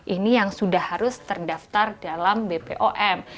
ini yang sudah harus terdaftar dalam bpom